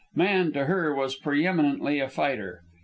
Man, to her, was preeminently a fighter.